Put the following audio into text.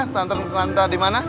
pesantren punanta dimana